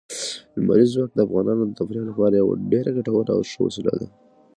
لمریز ځواک د افغانانو د تفریح لپاره یوه ډېره ګټوره او ښه وسیله ده.